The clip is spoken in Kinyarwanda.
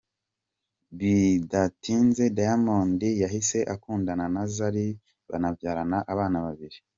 Bidatinze, Diamond yahise akundana na Zari banabyarana abana babiri.